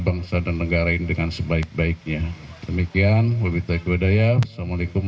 bangsa dan negara ini dengan sebaik baiknya demikian hobi taekwadaya assalamualaikum